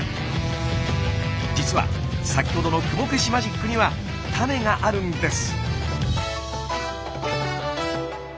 実は先ほどの雲消しマジックにはタネがあるんです。